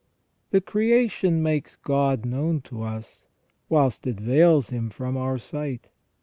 The creation makes God known to us, whilst it veils Him from our sight.